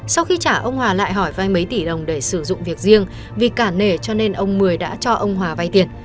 sau khi trả ông hòa lại hỏi vay mấy tỷ đồng để sử dụng việc riêng vì cả nể cho nên ông mười đã cho ông hòa vay tiền